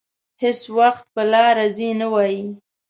هېڅ وخت په لاره ځي نه وايي.